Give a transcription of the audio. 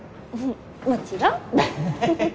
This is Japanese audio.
もちろん！